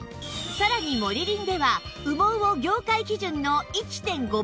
さらにモリリンでは羽毛を業界基準の １．５ 倍で洗浄